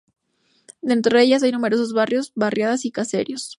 Dentro de ellas hay numerosos barrios, barriadas y caseríos.